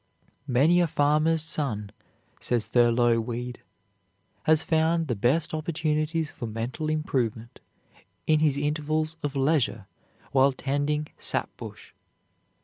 "Many a farmer's son," says Thurlow Weed, "has found the best opportunities for mental improvement in his intervals of leisure while tending 'sap bush.'